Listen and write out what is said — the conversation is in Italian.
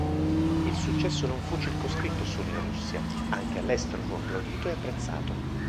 Il successo non fu circoscritto solo in Russia: anche all'estero fu applaudito e apprezzato.